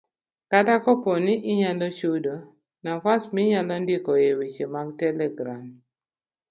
Kata kapo ni inyalo chudo, nafas minyalondikoe weche e mag telegram